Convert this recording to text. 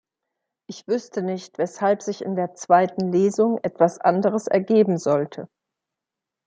Ich wüßte nicht, weshalb sich in der zweiten Lesung etwas anderes ergeben sollte.